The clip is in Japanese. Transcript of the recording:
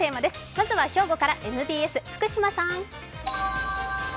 まずは兵庫からＭＢＳ、福島さん。